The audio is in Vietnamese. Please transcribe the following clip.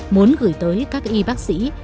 muốn gửi tới các y bác sĩ